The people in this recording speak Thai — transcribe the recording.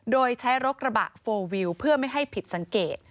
โดยใช้รกระบะโฟลวิวเพื่อไม่ให้ผิดสังเกต